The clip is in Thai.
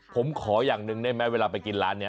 ผมขออย่างหนึ่งได้ไหมเวลาไปกินร้านนี้